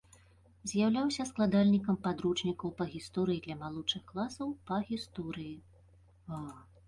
З'яўляўся складальнікам падручнікаў па гісторыі для малодшых класаў па гісторыі.